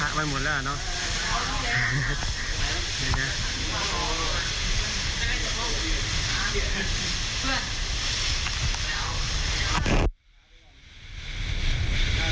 อันไมค์เลยเราปะจำไว้หมดแล้ว